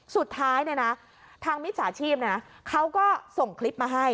สุดท้ายเนี่ยนะทางมิจฉาชีพเขาก็ส่งคลิปมาให้